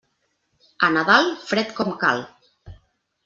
A Nadal, fred com cal.